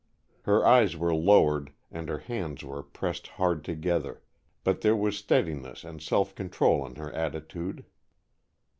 Her eyes were lowered and her hands were pressed hard together, but there was steadiness and self control in her attitude.